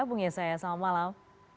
bung yesayas selamat malam